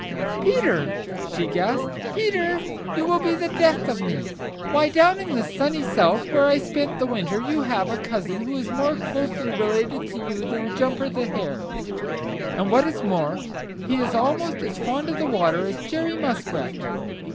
"Peter!" she gasped. "Peter, you will be the death of me. Why, down in the Sunny South, where I spent the winter, you have a cousin who is more closely related to you than Jumper the Hare. And what is more, he is almost as fond of the water as Jerry Muskrat.